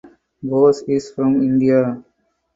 Bose is from India.